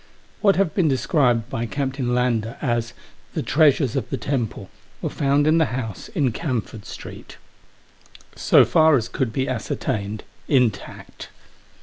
What have been described by Captain Lander as " the treasures of the temple " were found in the house in Camford Street. So far as could be ascertained, intact.